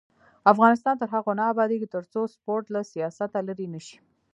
افغانستان تر هغو نه ابادیږي، ترڅو سپورټ له سیاسته لرې نشي.